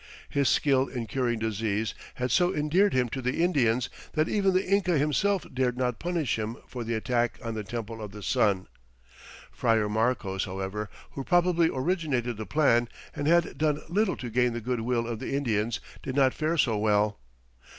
His skill in curing disease had so endeared him to the Indians that even the Inca himself dared not punish him for the attack on the Temple of the Sun. Friar Marcos, however, who probably originated the plan, and had done little to gain the good will of the Indians, did not fare so well.